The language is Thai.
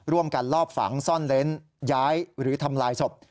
ลอบฝังซ่อนเล้นย้ายหรือทำลายศพ